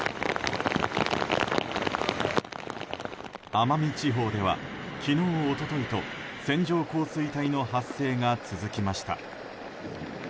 奄美地方では昨日、一昨日と線状降水帯の発生が続きました。